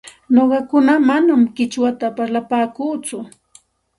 Nuqaku manam qichwata parlapaakuuchu,